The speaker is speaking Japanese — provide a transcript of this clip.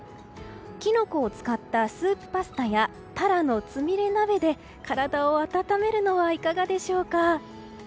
キノコを使ったスープパスタやタラのつみれ鍋で体を温めるのはいかがでしょうか。